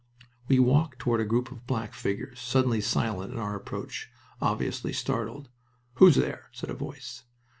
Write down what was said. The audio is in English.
We walked toward a group of black figures, suddenly silent at our approach obviously startled. "Who's there?" said a voice.